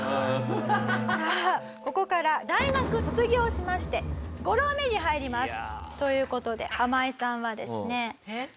さあここから大学を卒業しまして５浪目に入ります！という事でハマイさんはですね。